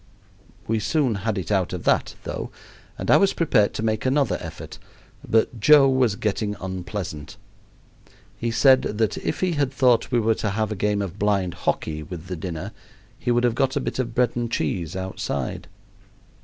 We soon had it out of that, though, and I was prepared to make another effort. But Joe was getting unpleasant. He said that if he had thought we were to have a game of blind hockey with the dinner he would have got a bit of bread and cheese outside.